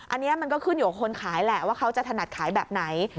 อันนี้มันก็ขึ้นอยู่กับคนขายแหละว่าเขาจะถนัดขายแบบไหน